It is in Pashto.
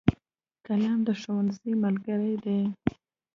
قلم د ښوونځي ملګری دی.